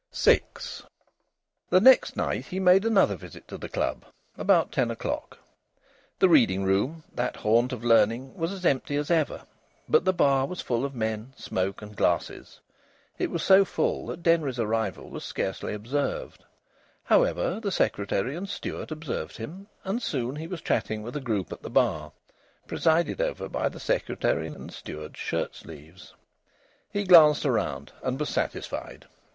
VI The next night he made another visit to the club, about ten o'clock. The reading room, that haunt of learning, was as empty as ever; but the bar was full of men, smoke, and glasses. It was so full that Denry's arrival was scarcely observed. However, the Secretary and Steward observed him, and soon he was chatting with a group at the bar, presided over by the Secretary and Steward's shirt sleeves. He glanced around, and was satisfied.